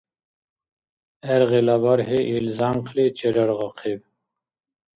ГӀергъила бархӀи ил зянкъли чераргъахъиб.